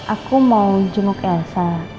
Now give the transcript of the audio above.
aku mau jenguk elsa